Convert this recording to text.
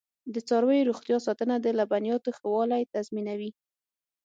د څارویو روغتیا ساتنه د لبنیاتو ښه والی تضمینوي.